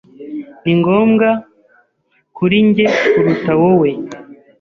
Ni ngombwa kuri njye kuruta wowe.